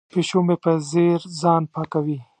پیشو مې په ځیر ځان پاکوي.